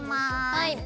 はい。